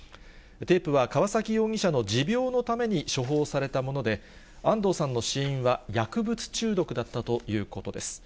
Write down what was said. テープは川崎容疑者の持病のために処方されたもので、安藤さんの死因は薬物中毒だったということです。